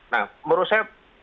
nah menurut saya